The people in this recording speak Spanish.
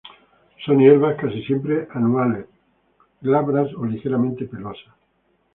Son hierbas casi siempre anuales, glabras o ligeramente pelosas.